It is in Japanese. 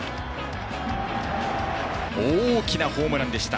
大きなホームランでした。